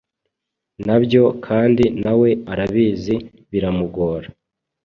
Nabyo kandi nawe arabizi biramugora